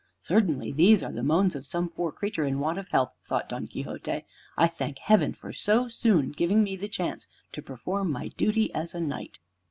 "Certainly these are the moans of some poor creature in want of help," thought Don Quixote. "I thank Heaven for so soon giving me the chance to perform my duty as a knight."